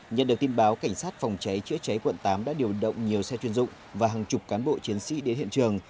nhận được tin báo cảnh sát phòng cháy chữa cháy quận tám đã điều động nhiều xe chuyên dụng và hàng chục cán bộ chiến sĩ đến hiện trường